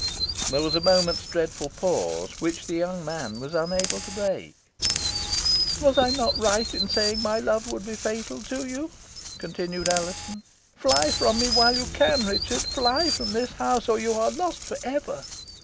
There was a moment's dreadful pause, which the young man was unable to break. "Was I not right in saying my love would be fatal to you?" continued Alizon. "Fly from me while you can, Richard. Fly from this house, or you are lost for ever!"